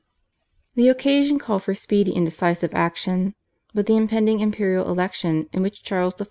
The occasion called for speedy and decisive action. But the impending imperial election, in which Charles I.